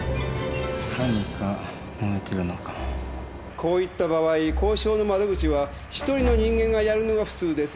こういった場合交渉の窓口はひとりの人間がやるのが普通です。